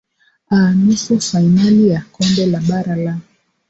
aa nusu fainali ya kombe la bara la